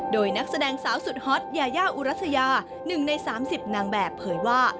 โดยนักแสดงสาวสุดฮอตยายาอุรัสยา๑ใน๓๐นางแบบเผยว่า